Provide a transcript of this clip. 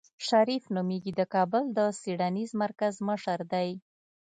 شريف نومېږي د کابل د څېړنيز مرکز مشر دی.